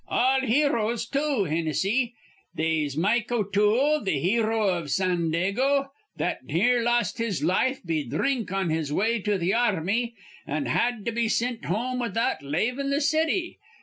"All heroes, too, Hinnissy. They'se Mike O'Toole, th' hero iv Sandago, that near lost his life be dhrink on his way to th' arm'ry, an' had to be sint home without lavin' th' city.